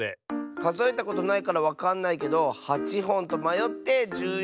かぞえたことないからわかんないけど８ほんとまよって１４